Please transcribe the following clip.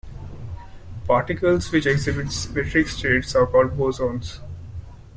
Particles which exhibit symmetric states are called bosons.